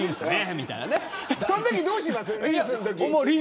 そのときどうします。